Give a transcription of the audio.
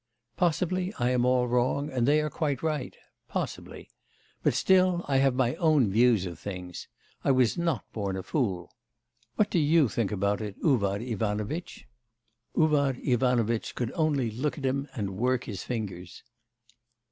Possibly, I am all wrong, and they are quite right; possibly. But still I have my own views of things; I was not born a fool. What do you think about it, Uvar Ivanovitch?' Uvar Ivanovitch could only look at him and work his fingers.